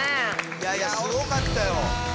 いやいやすごかったよ！